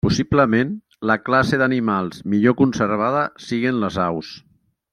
Possiblement, la classe d'animals millor conservada siguen les aus.